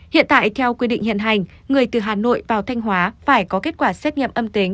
hiện tại theo quy định hiện hành người từ hà nội vào thanh hóa phải có kết quả xét nghiệm âm tính